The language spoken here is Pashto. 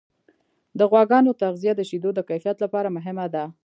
د غواګانو تغذیه د شیدو د کیفیت لپاره مهمه ده.